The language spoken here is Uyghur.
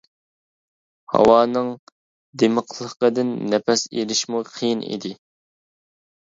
ھاۋانىڭ دىمىقلىقىدىن نەپەس ئېلىشمۇ قىيىن ئىدى.